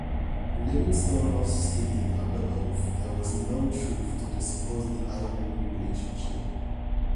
Livingstone also stated under oath there was no truth to the supposed hiring relationship.